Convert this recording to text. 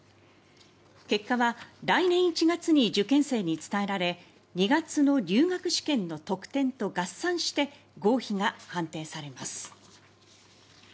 結果は来年１月に受験生に伝えられ２月の入学試験の得点と合算して合否が判定されます。